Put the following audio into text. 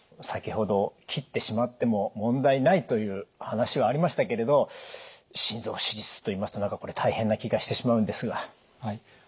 先ほど切ってしまっても問題ないという話はありましたけれど「心臓手術」といいますと何かこれ大変な気がしてしまうんですが。